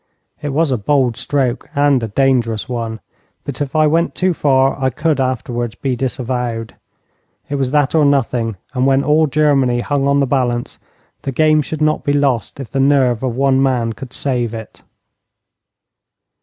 It was a bold stroke and a dangerous one, but if I went too far I could afterwards be disavowed. It was that or nothing, and when all Germany hung on the balance the game should not be lost if the nerve of one man could save it.